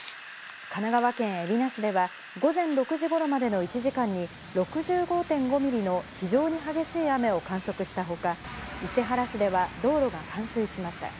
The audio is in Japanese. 神奈川県海老名市では、午前６時ごろまでの１時間に、６５．５ミリの非常に激しい雨を観測したほか、伊勢原市では道路が冠水しました。